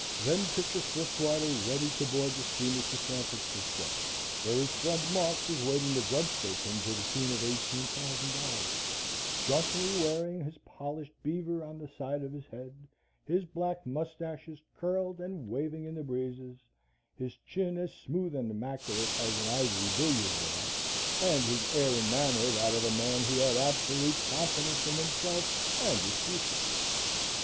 Then picture Swiftwater ready to board the steamer for San Francisco, where his friend Marks was waiting to grubstake him to the tune of $18,000, jauntily wearing his polished beaver on the side of his head, his black moustaches curled and waving in the breezes, his chin as smooth and immaculate as an ivory billiard ball and his air and manner that of a man who had absolute confidence in himself and his future.